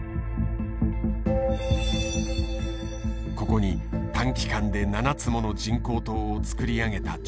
ここに短期間で７つもの人工島を造り上げた中国。